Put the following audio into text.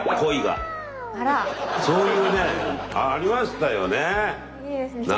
そういうねありましたよね。